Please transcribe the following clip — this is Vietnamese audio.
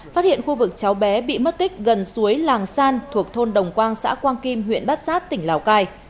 phát hiện khu vực cháu bé bị mất tích gần suối làng san thuộc thôn đồng quang xã quang kim huyện bát sát tỉnh lào cai